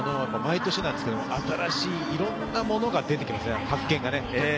毎年ですが、新しい、いろんなものが出てきますね、発見が。